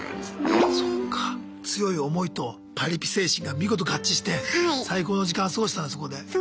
そっか強い思いとパリピ精神が見事合致して最高の時間を過ごせたんだそこで。